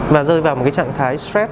và rơi vào một trạng thái stress